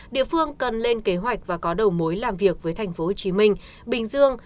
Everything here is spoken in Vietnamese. địa phương cần lên kế hoạch và có đầu mối làm việc với tp hcm bình dương